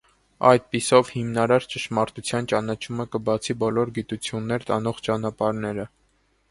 Այդպիսով, հիմնարար ճշմարտության ճանաչումը կբացի բոլոր գիտություններ տանող ճանապարհները։